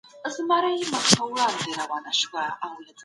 د ژوند حق د ټولو حق دی.